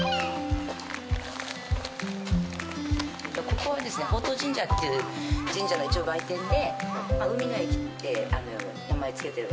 ここはですね宝当神社っていう神社の一応売店で海の駅って名前付けてるんですけど。